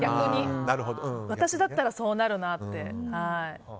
私だったらそうなるなって。